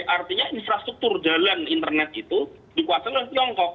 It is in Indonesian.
artinya infrastruktur jalan internet itu dikuasai oleh tiongkok